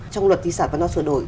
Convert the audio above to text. trong luật di sản văn hóa sửa đổi